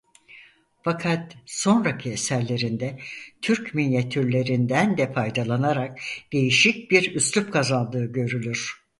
Fakat sonraki eserlerinde Türk minyatürlerinden de faydalanarak değişik bir üslûp kazandığı görülür.